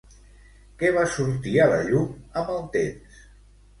Què va sortir a la llum amb el temps?